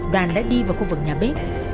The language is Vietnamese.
đoàn đã đi vào khu vực nhà bếp